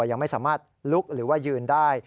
ยังไม่สามารถลุกหรือว่ายืนได้